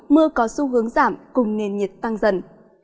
mưa có xu hướng giảm cùng nền nhiệt tăng dần